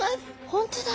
本当だ！